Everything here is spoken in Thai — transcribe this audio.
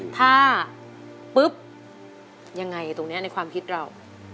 ถ้าปุ๊บยังไงตรงนี้ในความคิดเรา